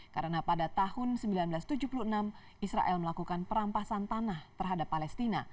karena pada tahun seribu sembilan ratus tujuh puluh enam israel melakukan perampasan tanah terhadap palestina